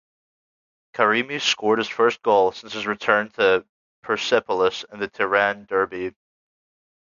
Karimi scored his first goal since his return to Persepolis in the Tehran derby.